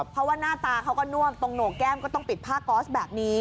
เพราะว่าหน้าตาเขาก็นวกตรงโหนกแก้มก็ต้องปิดผ้าก๊อสแบบนี้